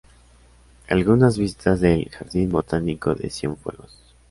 Algunas vistas del ""Jardín Botánico de Cienfuegos"".